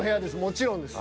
もちろんです。